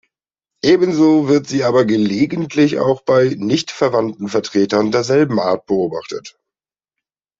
Ebenso wird sie aber gelegentlich auch bei nicht-verwandten Vertretern derselben Art beobachtet.